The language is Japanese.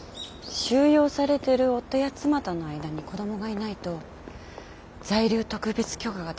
収容されてる夫や妻との間に子供がいないと在留特別許可が出ないって本当ですか？